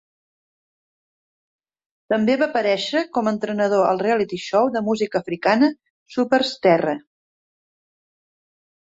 També va aparèixer com a entrenador al "reality show" de música africana "Supersterre".